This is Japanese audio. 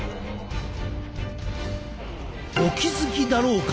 お気付きだろうか！